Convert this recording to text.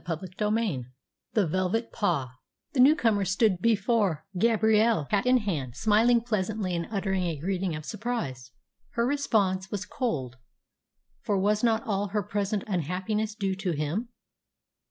CHAPTER XXVI THE VELVET PAW The new comer stood before Gabrielle, hat in hand, smiling pleasantly and uttering a greeting of surprise. Her response was cold, for was not all her present unhappiness due to him?